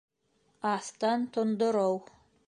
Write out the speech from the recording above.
Аҫтан тондороу